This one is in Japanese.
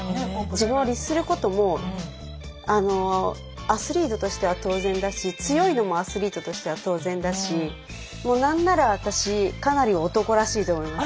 自分を律することもアスリートとしては当然だし強いのもアスリートとしては当然だしもう何なら私かなり男らしいと思います。